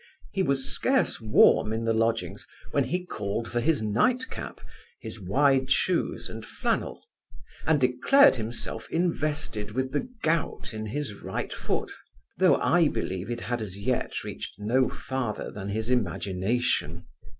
He was scarce warm in the lodgings when he called for his night cap, his wide shoes, and flannel; and declared himself invested with the gout in his right foot; though, I believe it had as yet reached no farther than his imagination.